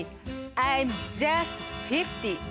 アイムジャストフィフティ。